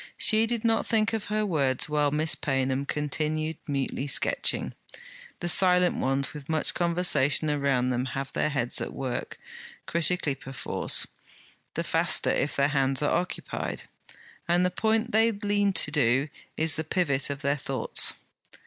She did not think of her words while Miss Paynham continued mutely sketching. The silent ones, with much conversation around them, have their heads at work, critically perforce; the faster if their hands are occupied; and the point they lean to do is the pivot of their thoughts.